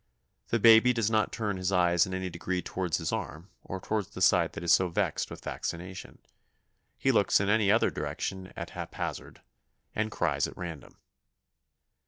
The baby does not turn his eyes in any degree towards his arm or towards the side that is so vexed with vaccination. He looks in any other direction at haphazard, and cries at random.